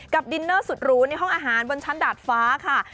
ดินเนอร์สุดหรูในห้องอาหารบนชั้นดาดฟ้าค่ะ